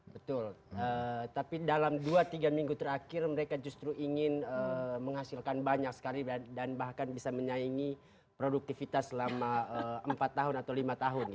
betul tapi dalam dua tiga minggu terakhir mereka justru ingin menghasilkan banyak sekali dan bahkan bisa menyaingi produktivitas selama empat tahun atau lima tahun